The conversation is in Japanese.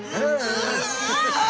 あ。